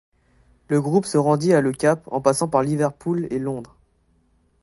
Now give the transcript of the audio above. Le groupe se rendit à Le Cap en passant par Liverpool et Londres.